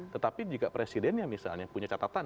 tetapi jika presidennya misalnya punya catatan